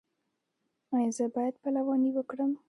ایا زه باید پلوانی وکړم؟